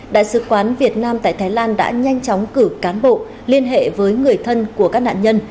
đại sứ quán việt nam tại thái lan đã nhanh chóng cử cán bộ liên hệ với người thân của các nạn nhân